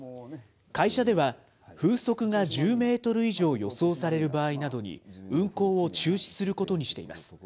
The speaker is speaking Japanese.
会社では、風速が１０メートル以上予想される場合などに、運航を中止することにしています。